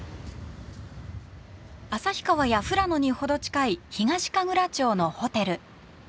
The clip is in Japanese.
旭川や富良野に程近い東神楽町のホテル。